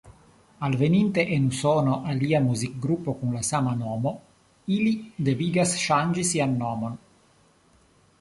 Alveninte en Usono, alia muzikgrupo kun la sama nomo ilin devigas ŝanĝi sian nomon.